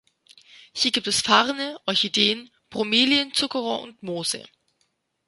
Hier gibt es Farne, Orchideen, Bromelien, Zuckerrohr und Moose.